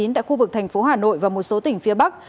tại khu vực thành phố hà nội và một số tỉnh phía bắc